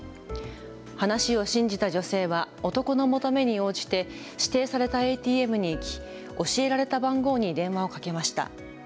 話を信じた女性は男の求めに応じて指定されたＡＴＭに行き、教えられた番号に電話をかけました。